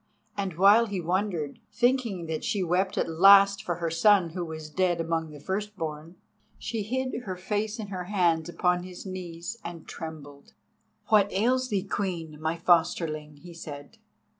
And while he wondered, thinking that she wept at last for her son who was dead among the firstborn, she hid her face in her hands upon his knees, and trembled. "What ails thee, Queen, my fosterling?" he said.